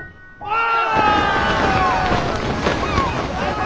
ああ。